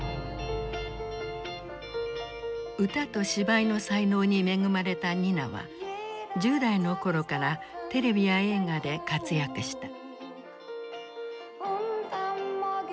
歌と芝居の才能に恵まれたニナは１０代の頃からテレビや映画で活躍した。